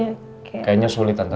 ya kayaknya sulit tante